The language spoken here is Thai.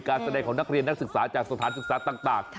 การแสดงของนักเรียนนักศึกษาจากสถานศึกษาต่าง